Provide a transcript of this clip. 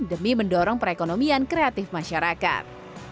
demi mendorong perekonomian kreatif masyarakat